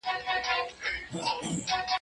زه به سبا د ليکلو تمرين وکړم!؟